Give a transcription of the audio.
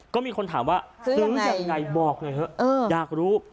ก็มีคนถามว่าซื้อยังไงบอกหน่อยเถอะอยากรู้